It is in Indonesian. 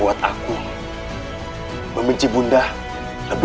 mari pak man